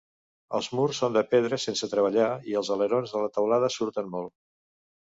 Els murs són de pedra sense treballar i els alerons de la teulada surten molt.